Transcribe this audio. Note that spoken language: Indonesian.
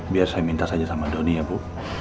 biar saya minta saja sama doni ya bu